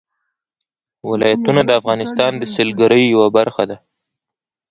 ولایتونه د افغانستان د سیلګرۍ یوه برخه ده.